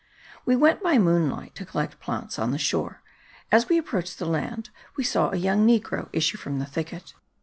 We went by moonlight to collect plants on the shore; as we approached the land, we saw a young negro issue from the thicket.